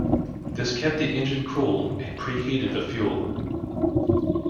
This kept the engine cool, and preheated the fuel.